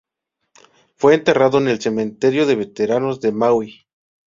Fue enterrado en el Cementerio de Veteranos de Maui.